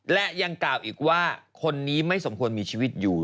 และยังกล่าวอีกว่าคนนี้ไม่สมควรมีชีวิตอยู่